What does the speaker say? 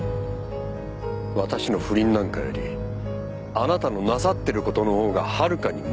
私の不倫なんかよりあなたのなさっている事のほうがはるかに問題ですよ。